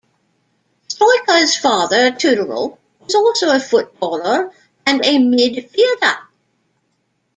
Stoica's father, Tudorel, was also a footballer and a midfielder.